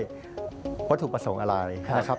เลือกไว้ต่อเดิมได้นะครับ